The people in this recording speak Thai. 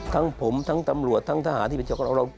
ทั้งผมทั้งตำรวจทั้งทหารที่เป็นเจ้าของเรา